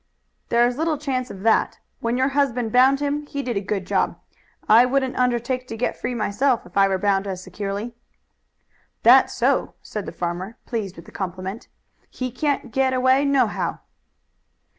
"There is little chance of that. When your husband bound him he did a good job. I wouldn't undertake to get free myself if I were bound as securely." "That's so!" said the farmer, pleased with the compliment. "He can't get away nohow."